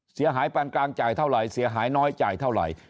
ปานกลางจ่ายเท่าไหร่เสียหายน้อยจ่ายเท่าไหร่